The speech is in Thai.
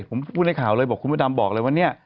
ผมพูดในข่าวเลยบอกคุณพระดำบอกเลยว่าเนี่ย